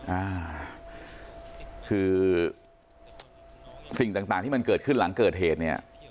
อ่าคือสิ่งต่างต่างที่มันเกิดขึ้นหลังเกิดเหตุเนี่ย